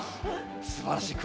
すばらしい。